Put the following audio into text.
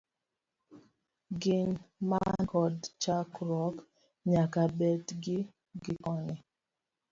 Gin man kod chakruok nyaka bed gi gikone.